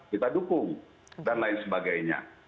kita dukung dan lain sebagainya